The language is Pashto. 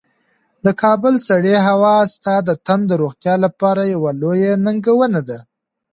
د کابل سړې هوا ستا د تن د روغتیا لپاره یوه لویه ننګونه ده.